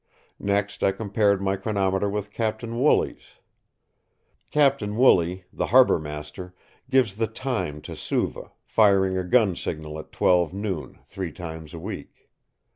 Next I compared my chronometer with Captain Wooley's. Captain Wooley, the harbourmaster, gives the time to Suva, firing a gun signal at twelve, noon, three times a week.